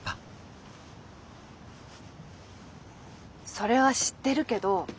それは知ってるけど。